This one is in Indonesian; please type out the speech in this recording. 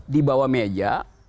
di bawah meja